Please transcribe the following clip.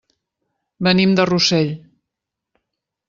Venim de Rossell.